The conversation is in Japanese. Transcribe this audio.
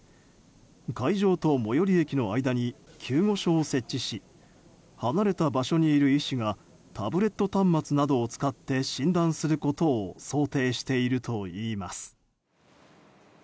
会場と最寄り駅の間に救護所を設置し離れた場所にいる医師がタブレット端末などを使って診断することを想定しているといいます。